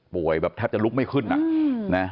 พ่วงแบบถ้าจะลุกไม่ขึ้นน่ะ